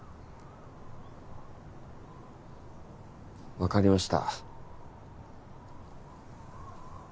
わかりました。